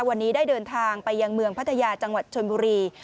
วันนี้ได้เดินทางไปยังเมืองพัทยาจังหวัดชนบุรี